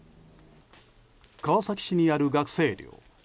川崎市にある学生寮。